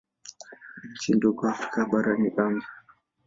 Nchi ndogo Afrika bara ni Gambia.